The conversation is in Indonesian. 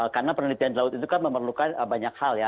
karena penelitian di laut itu kan memerlukan banyak hal ya